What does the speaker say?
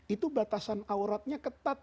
itu batasan auratnya ketat